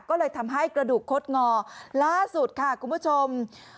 ก็เลยทำให้กระดูกคดงอล่าสุดค่ะคุณผู้ชม